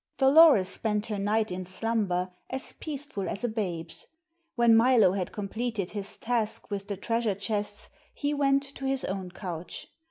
Dolores spent her night in slumber as peaceful as a babe's. When Milo had completed his task with the treasure chests he went to his own couch.